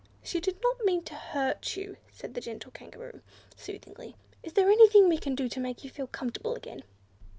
"She did not mean to hurt you," said the gentle Kangaroo, soothingly. "Is there anything we can do to make you feel comfortable again?"